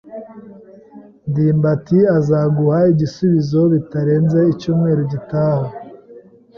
ndimbati azaguha igisubizo bitarenze icyumweru gitaha.